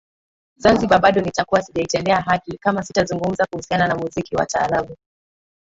Zanzibar bado nitakuwa sijaitendea haki kama sitazungumza kuhusiana na muziki wa taarabu